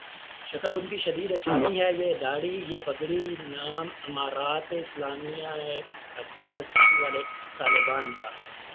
شکل انکی شدید اسلامی ہے ، یہ دھاڑی ، یہ پگڑی ، نام امارت اسلامیہ افغانستان والے طالبان کا ۔